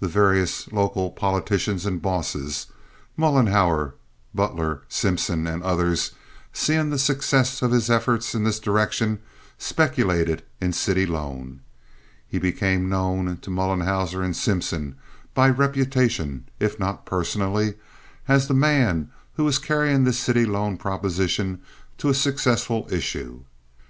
The various local politicians and bosses—Mollenhauer, Butler, Simpson, and others—seeing the success of his efforts in this direction, speculated in city loan. He became known to Mollenhauer and Simpson, by reputation, if not personally, as the man who was carrying this city loan proposition to a successful issue.